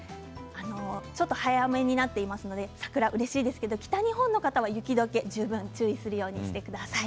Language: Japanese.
ちょっと早めになっていますので桜、うれしいですけど北日本の方は雪どけに十分に注意するようにしてください。